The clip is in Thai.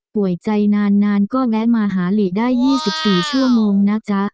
ใจนานก็แวะมาหาหลีได้๒๔ชั่วโมงนะจ๊ะ